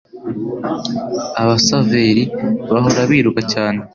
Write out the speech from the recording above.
Abasaveri, bahora biruka cyane